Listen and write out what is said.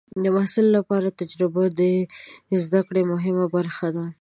د محصل لپاره تجربه د زده کړې مهمه برخه ده.